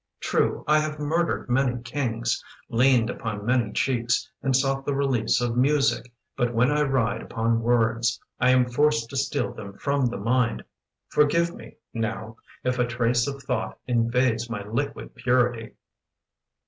True, I have murdered many kings, Leaned upon many cheeks, And sought the release of music, But when I ride upon words I am forced to steal them from the mind. Forgive me, now, if a trace of thought Invades my liquid purity!